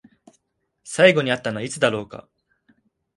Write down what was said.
最後に会ったのはいつだろうか？